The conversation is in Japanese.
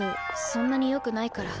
そんなに良くないから。